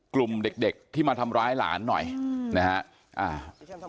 กลุ่มเด็กที่มาทำร้ายหลานหน่อยนะครับ